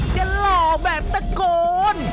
เป็นหล่อแบบตะโกน